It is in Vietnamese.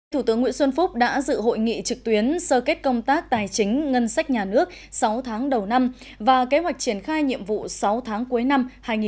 thủ tướng nguyễn xuân phúc đã dự hội nghị trực tuyến sơ kết công tác tài chính ngân sách nhà nước sáu tháng đầu năm và kế hoạch triển khai nhiệm vụ sáu tháng cuối năm hai nghìn hai mươi